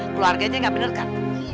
keluarganya nggak bener kan